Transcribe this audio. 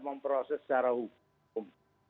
memproses secara hukum